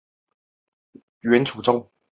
宋高宗诏张俊援楚州。